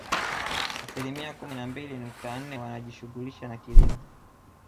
Asilimia kumi na mbili nukta nne wanajishughulisha na kilimo